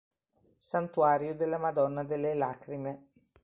Santuario della Madonna delle Lacrime